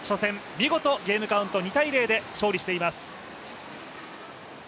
見事、ゲームカウント２−０で勝利しています。